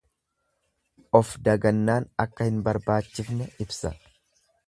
Of dagannaan akka hin barbaachifne ibsa.